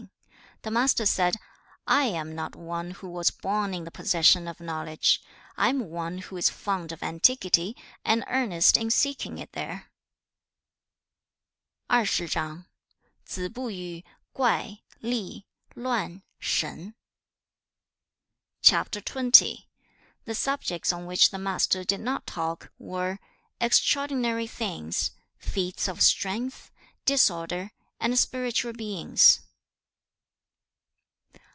The Master said, 'I am not one who was born in the possession of knowledge; I am one who is fond of antiquity, and earnest in seeking it there.' CHAP. XX. The subjects on which the Master did not talk, were extraordinary things, feats of strength, disorder, and spiritual beings.